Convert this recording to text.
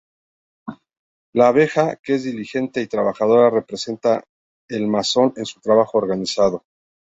La abeja, que es diligente y trabajadora, representa el masón en su trabajo organizado.